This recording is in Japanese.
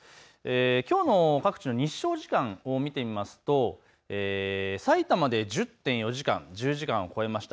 きょうの各地の日照時間を見てみますとさいたまで１０．４時間、１０時間を超えました。